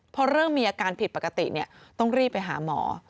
พอเริ่มมีอาการผิดปกติต้องรีบไปหาหมอ